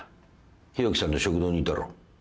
日置さんの食堂にいたろ。